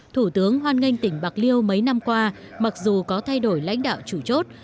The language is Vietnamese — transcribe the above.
thủ tướng hoan nghênh tỉnh bạc liêu mấy năm qua mặc dù có thay đổi lãnh đạo chủ chốt